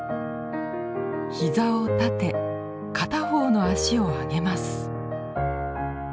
膝を立て片方の脚を上げます。